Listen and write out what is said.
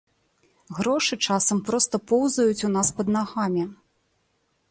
Грошы часам проста поўзаюць у нас пад нагамі.